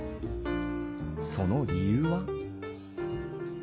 その理由は？